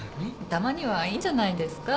たまにはいいんじゃないですか？